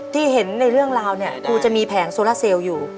ที่เห็นในเรื่องราวเนี่ยคือจะมีแผงโซล่าเซลอยู่